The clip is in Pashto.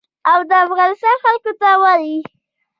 او د افغانستان خلکو ته وايي.